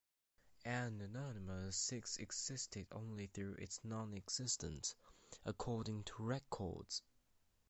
And Nemonymous Six existed only through its non-existence, according to records.